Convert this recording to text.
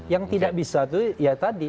yang tidak bisa itu ya tadi